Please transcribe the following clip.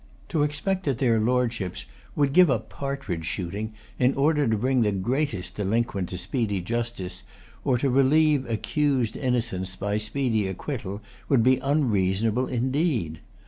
To expect that their Lordships would give up partridge shooting, in order to bring the greatest delinquent to speedy justice, or to relieve accused innocence by speedy acquittal, would be unreasonable indeed.